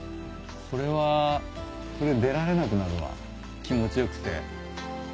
これはこれ出られなくなるわ気持ち良くて。